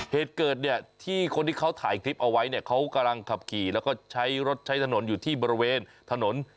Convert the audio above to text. เหตุเกิดเนี่ยที่คนที่เขาถ่ายคลิปเอาไว้เนี่ยเขากำลังขับขี่แล้วก็ใช้รถใช้ถนนอยู่ที่บริเวณถนน